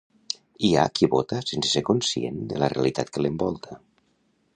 Hi ha qui vota sense ser conscient de la realitat que l'envolta